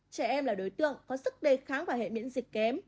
trẻ em là đối tượng có sức đề kháng và hệ miễn dịch kém